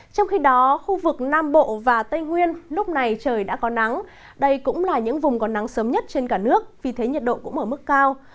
trong khi đó khu vực nam bộ và tây nguyên lúc này trời đã có nắng đây cũng là những vùng có nắng sớm nhất trên cả nước vì thế nhiệt độ cũng ở mức cao